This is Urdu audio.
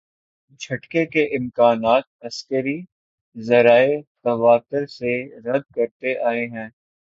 جھٹکے کے امکانات عسکری ذرائع تواتر سے رد کرتے آئے ہیں۔